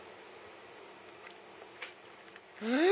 うん！